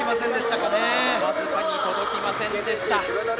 僅かに届きませんでした。